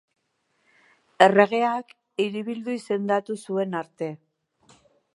Erregeak hiribildu izendatu zuen arte.